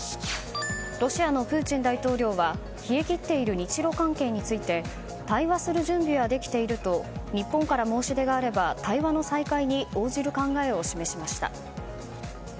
ロシアのプーチン大統領は冷え切っている日ロ関係について対話する準備はできていると日本から申し出があれば対話の再開に応じる考えを示しました。